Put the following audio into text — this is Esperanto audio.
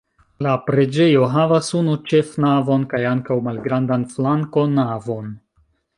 La preĝejo havas unu ĉefnavon kaj ankaŭ malgrandan flankonavon.